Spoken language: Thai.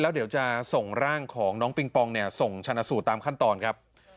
เดี๋ยวจะส่งร่างของน้องปิงปองเนี่ยส่งชนะสูตรตามขั้นตอนครับ